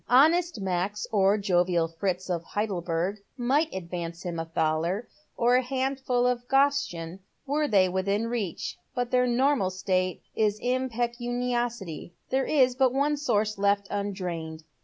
Honest Max, or jovial Fritz of Heidelberg might advance him a thaler — or a handful of groschen — were they within reach, but their normal state is impecuniosity. There is but one source left undrained.